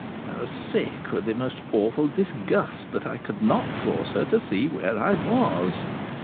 I was sick with the most awful disgust that I could not force her to see where I was.